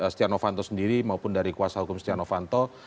setia novanto sendiri maupun dari kuasa hukum setia novanto